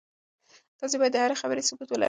تاسي باید د هرې خبرې ثبوت ولرئ.